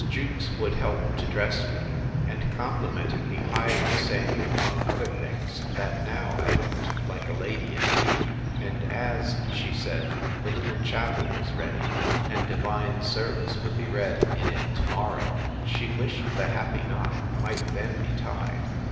Jewkes would help to dress me, and complimented me highly, saying, among other things, That now I looked like a lady indeed: and as, she said, the little chapel was ready, and divine service would be read in it to morrow, she wished the happy knot might then be tied.